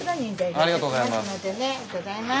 ありがとうございます。